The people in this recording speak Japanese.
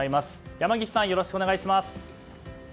山岸さん、よろしくお願いします。